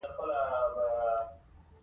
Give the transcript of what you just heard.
د تور پوړني په پيڅکه يې اوښکې پاکولې.